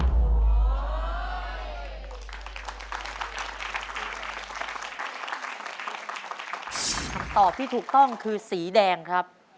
คำตอบที่ถูกต้องคือสีแดงครับ